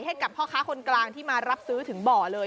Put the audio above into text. ให้กับพ่อค้าคนกลางที่มารับซื้อถึงบ่อเลย